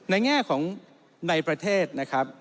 แง่ของในประเทศนะครับ